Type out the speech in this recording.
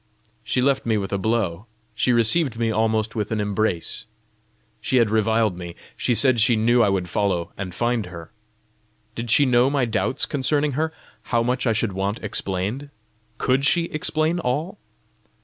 She left me with a blow; she received me almost with an embrace! She had reviled me; she said she knew I would follow and find her! Did she know my doubts concerning her how much I should want explained? COULD she explain all?